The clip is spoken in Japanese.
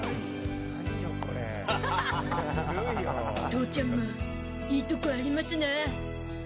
父ちゃんもいいところありますな。